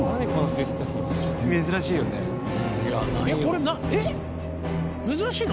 これえっ珍しいの？